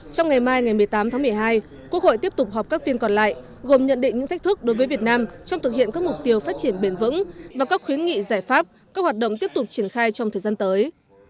trong ngày mai ngày một mươi tám tháng một mươi hai quốc hội tiếp tục họp các phiên còn lại gồm nhận định những thách thức đối với việt nam trong thực hiện các mục tiêu phát triển bền vững và các khuyến nghị giải pháp các hoạt động tiếp tục triển khai trong thời gian tới